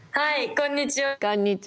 こんにちは。